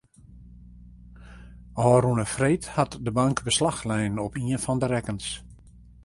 Ofrûne freed hat de bank beslach lein op ien fan de rekkens.